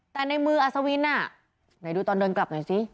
แต่ในมืออัศวินไหนดูตอนเดินกลับหน่อยสิ